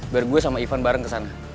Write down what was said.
baru gue sama ivan bareng kesana